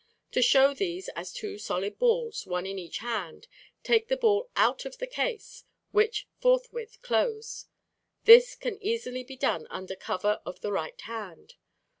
To show these as two solid balls, one in each hand, take the ball out of the case, which forthwith close. This can easily be done under cover of the right hand.